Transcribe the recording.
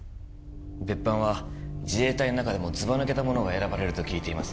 別班は自衛隊の中でもずば抜けた者が選ばれると聞いています